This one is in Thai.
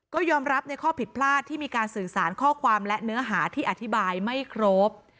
ก็ยอมรับในข้อผิดพลาดที่มีการสื่อสารข้อความและเนื้อหาที่อธิบายไม่ครบ